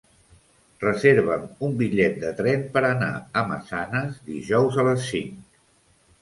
Reserva'm un bitllet de tren per anar a Massanes dijous a les cinc.